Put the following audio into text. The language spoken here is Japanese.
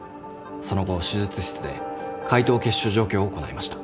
その後手術室で開頭血腫除去を行いました。